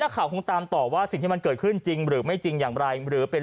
ข่าวคงตามต่อว่าสิ่งที่มันเกิดขึ้นจริงหรือไม่จริงอย่างไรหรือเป็น